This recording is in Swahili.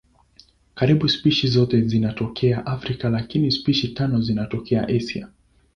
Karibu spishi zote zinatokea Afrika lakini spishi tano zinatokea Asia.